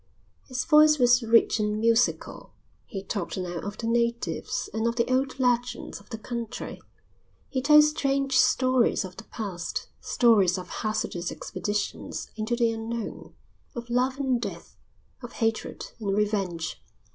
His voice was rich and musical. He talked now of the natives and of the old legends of the country. He told strange stories of the past, stories of hazardous expeditions into the unknown, of love and death, of hatred and revenge.